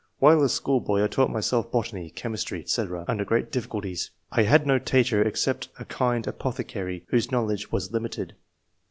While a schoolboy I taught myself botany, chemistry, &c under great difficulties. I had no teacher except a kind apothecary, whose knowledge was limited."